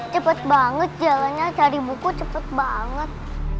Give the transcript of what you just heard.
cepet banget jalannya cari buku cepet banget